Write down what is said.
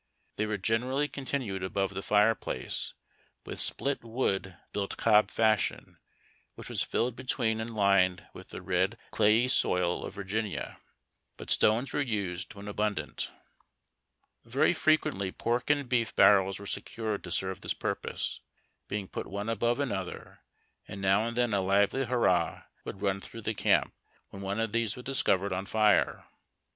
They were o en erally continued above the fireplace with split wood built cob fashion, which was filled between and lined with the red clayey soil of Virginia , but stones were used when abundant. A PONCHO ON. 56 IIABD TACK AND COFFEE. Very frequently pork and beef barrels were secured to serve this purpose, being put one above another ; and now and then a lively hurrah would run through the camp wiien one of these was dis covered on fire.